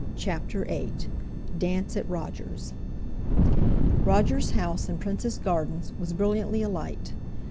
CHAPTER VIII DANCE AT ROGER'S Roger's house in Prince's Gardens was brilliantly alight.